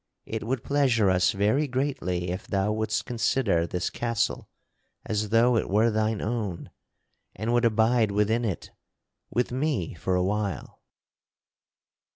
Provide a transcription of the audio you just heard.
It would pleasure us very greatly if thou wouldst consider this castle as though it were thine own and would abide within it with me for a while."